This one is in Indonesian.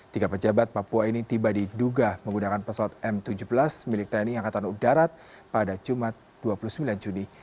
tiga pejabat papua ini tiba diduga menggunakan pesawat m tujuh belas milik tni angkatan udara pada jumat dua puluh sembilan juni